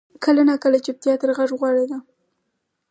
کله ناکله چپتیا تر غږ غوره وي.